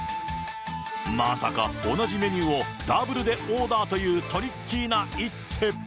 まさか、同じメニューをダブルでオーダーというトリッキーな一手。